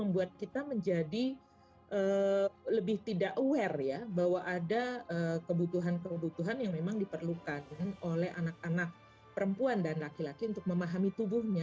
membuat kita menjadi lebih tidak aware ya bahwa ada kebutuhan kebutuhan yang memang diperlukan oleh anak anak perempuan dan laki laki untuk memahami tubuhnya